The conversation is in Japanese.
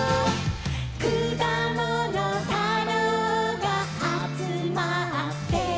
「くだものたろうがあつまって」